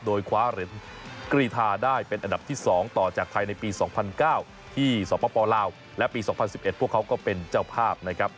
โดยคว้าเรียนกรีธาได้เป็นอันดับที่สองต่อจากไทยในปีสองพันเก้าที่ศพปลาวและปีสองพันสิบเอ็ดพวกเขาก็เป็นเจ้าภาพนะครับ